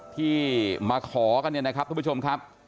ที่มาขอกันเนี่ยนะครับทุกผู้ชมครับ